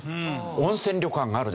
温泉旅館があるでしょ。